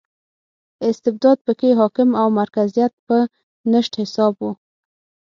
استبداد په کې حاکم او مرکزیت په نشت حساب و.